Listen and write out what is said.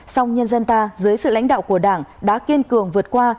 song nhân dân ta dưới sự lãnh đạo của đảng đã kiên cường vượt qua